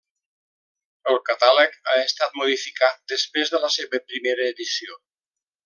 El catàleg ha estat modificat després de la seva primera edició.